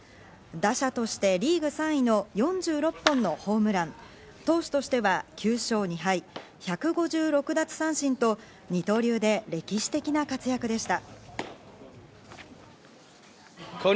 打者としてリーグ３位の４６本のホームラン、投手としては９勝２敗、１５６奪三振と二刀流で歴史的な活躍でした。